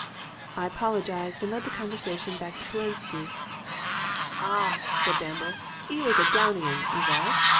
"I apologized and led the conversation back to Polensky. "'Ah,' said Bamber, ''e was a downy un, 'e was.